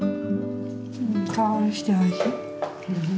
いい香りしておいしい。